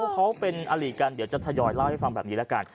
เขาเป็นอลีกันเดี๋ยวจะทยอยเล่าให้ฟังแบบนี้ละกัน